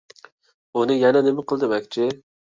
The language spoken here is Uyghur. ئۇنى يەنە نېمە قىل دېمەكچى؟